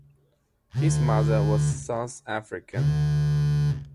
His mother was South African.